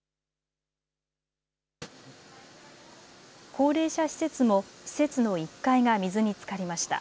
高齢者施設も施設の１階が水につかりました。